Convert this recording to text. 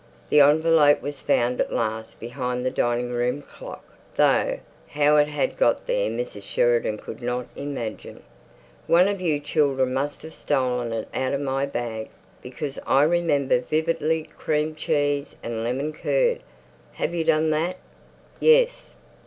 The envelope was found at last behind the dining room clock, though how it had got there Mrs. Sheridan could not imagine. "One of you children must have stolen it out of my bag, because I remember vividly—cream cheese and lemon curd. Have you done that?" "Yes."